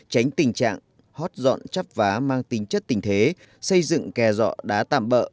tránh tình trạng hót dọn chắp vá mang tính chất tình thế xây dựng kè dọ đá tạm bợ